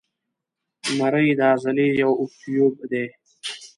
مرۍ د عضلې یو اوږد تیوب دی.